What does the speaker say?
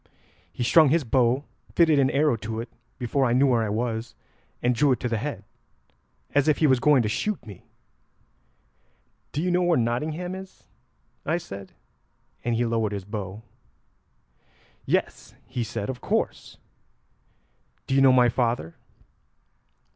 He strung his bow, fitted an arrow to it before I knew where I was, and drew it to the head as if he was going to shoot me. 'Do you know where Nottingham is?' I said, and he lowered his bow. 'Yes,' he said, 'of course. Do you know my father?'